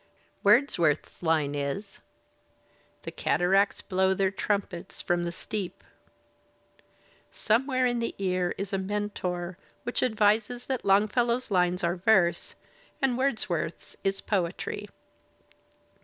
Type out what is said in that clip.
Wordsworth's line is: The cataracts blow their trumpets from the steep. Somewhere in the ear is a mentor which advises that Long fellow's lines are verse and Wordsworth's is poetry.